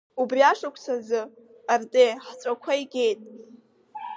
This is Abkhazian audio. Убри ашықәс азы Арте ҳҵәақәа игеит.